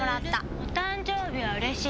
お誕生日はうれしい。